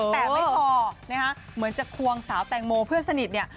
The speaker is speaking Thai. แต่ไม่พอนะคะเหมือนจะควงสาวแตงโมเพื่อนสนิทเนี่ย